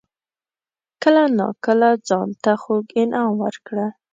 کله ناکله ځان ته خوږ انعام ورکړه.